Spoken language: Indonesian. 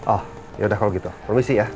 oh yaudah kalau gitu permisi ya